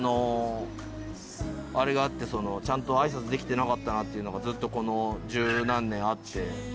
あれがあってちゃんと挨拶できてなかったなっていうのがずっとこの十何年あって。